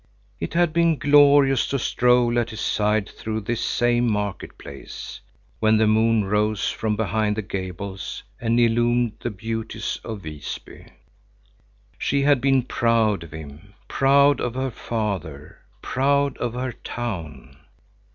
It had been glorious to stroll at his side through this same market place, when the moon rose from behind the gables and illumined the beauties of Visby. She had been proud of him, proud of her father, proud of her town.